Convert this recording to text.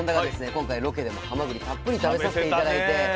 今回ロケでもはまぐりたっぷり食べさせて頂いて。